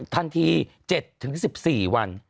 ทันที๗๑๔วัน